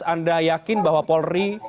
anda yakin bahwa polri